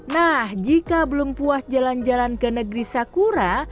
nah jika belum puas jalan jalan ke negeri sakura